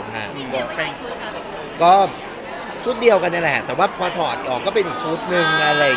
แล้วฮะก็ชุดเดียวมันต้องบอกก็เป็นอีกชุดหนึ่งอะไร